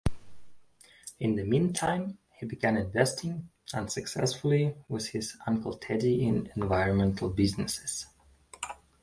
In the meantime, he began investing, unsuccessfully, with his uncle Teddy in environmental businesses.